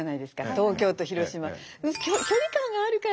東京と広島。